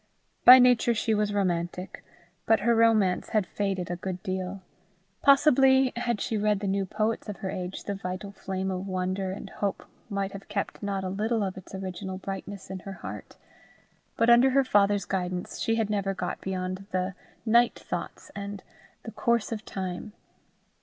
By nature she was romantic, but her romance had faded a good deal. Possibly had she read the new poets of her age, the vital flame of wonder and hope might have kept not a little of its original brightness in her heart; but under her father's guidance, she had never got beyond the Night Thoughts, and the Course of Time.